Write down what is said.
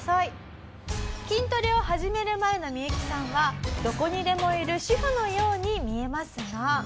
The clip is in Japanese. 「筋トレを始める前のミユキさんはどこにでもいる主婦のように見えますが」